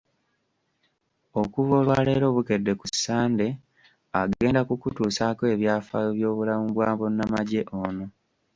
Okuva olwaleero Bukedde ku Ssande agenda kukutuusaako ebyafaayo by’obulamu bwa munnamagye ono.